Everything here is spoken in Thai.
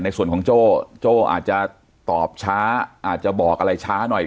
ในส่วนของโจ้โจ้อาจจะตอบช้าอาจจะบอกอะไรช้าหน่อย